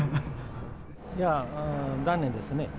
いや、残念ですね。